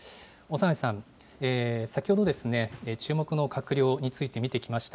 長内さん、先ほど、注目の閣僚について、見てきました。